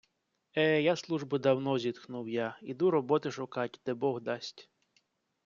- Е, я з служби давно, - зітхнув я, - іду роботи шукать, де бог дасть...